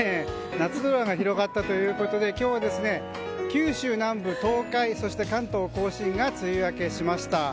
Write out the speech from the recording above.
夏空が広がったということで今日は九州南部、東海関東・甲信が梅雨明けしました。